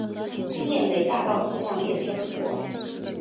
涅雷大道车站列车服务。